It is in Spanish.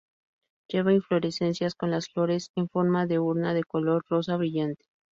Lleva inflorescencias con las flores en forma de urna de color rosa brillante.